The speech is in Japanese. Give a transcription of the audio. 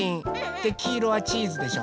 できいろはチーズでしょ。